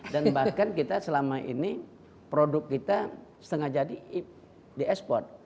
bahkan kita selama ini produk kita setengah jadi di ekspor